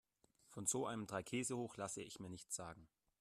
Von so einem Dreikäsehoch lasse ich mir nichts sagen.